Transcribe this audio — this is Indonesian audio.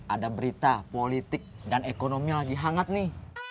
ada berita politik dan ekonomi lagi hangat nih